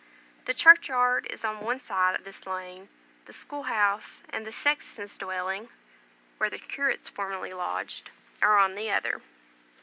The churchyard is on one side of this lane, the school house and the sexton's dwelling (where the curates formerly lodged) on the other.